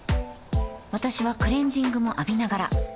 私はクレジングも浴びながら